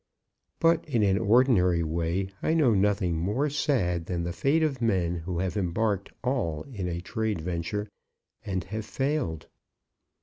But in an ordinary way, I know nothing more sad than the fate of men who have embarked all in a trade venture and have failed.